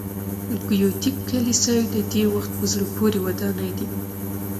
ګوتیک کلیساوې د دې وخت په زړه پورې ودانۍ دي.